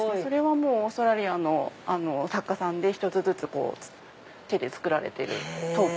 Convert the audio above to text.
オーストラリアの作家さんで１つずつ手で作られてる陶器。